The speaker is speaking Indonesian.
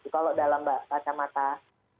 kalau dalam mata mata saya